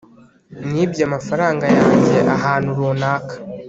nibye amafaranga yanjye ahantu runaka